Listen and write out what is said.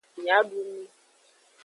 Mia du nu.